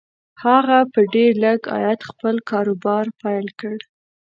هغه په ډېر لږ عايد خپل کاروبار پيل کړ.